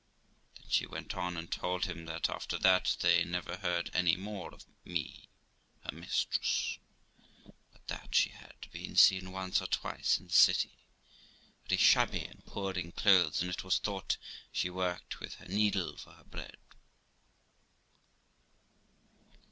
Then she went on, and told him that, after that, they never heard any more of (me) her mistress, but that she had been seen once or twice in the city, very shabby and poor in clothes, and it was thought she worked with her needle for her bread.